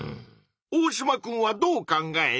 オオシマくんはどう考える？